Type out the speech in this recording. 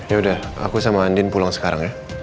ya udah aku sama andin pulang sekarang ya